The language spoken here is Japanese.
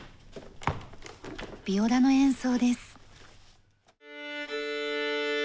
ビオラの演奏です。